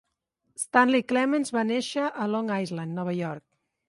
Stanley Clements va nàixer a Long Island, Nova York.